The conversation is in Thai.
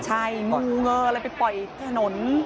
ใช่งูเงินแล้วไปปล่อยถนน